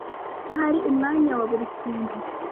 ahari umwanya wa buri kintu.